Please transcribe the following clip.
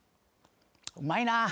うまいなぁ。